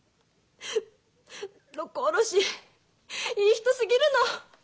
六甲おろしいい人すぎるの。